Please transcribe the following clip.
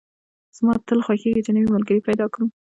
زما تل خوښېږي چې نوی ملګري پیدا کدم